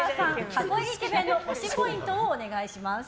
箱入りイケメンの推しポイントをお願いします。